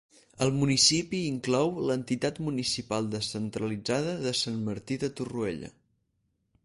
El municipi inclou l'entitat municipal descentralitzada de Sant Martí de Torroella.